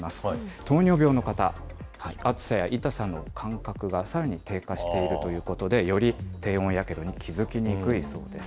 糖尿病の方、熱さや痛さの感覚がさらに低下しているということで、より低温やけどに気付きにくいそうです。